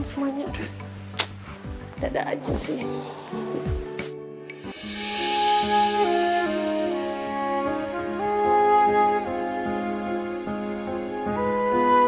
siapin sarapan sekarang